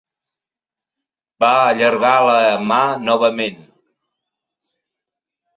Va allargar la mà novament.